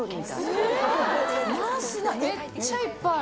めっちゃいっぱいある。